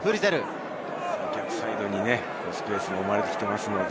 逆サイドにスペースが生まれてきています。